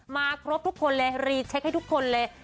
ครบทุกคนเลยรีเช็คให้ทุกคนเลย